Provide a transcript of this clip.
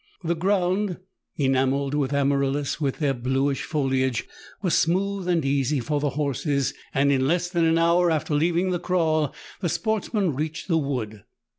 The ground, enamelled with amaryllis with their bluish foliage, was smooth and easy for the horses, and in less than an hour after leaving the kraal, the sportsmen reached the wood.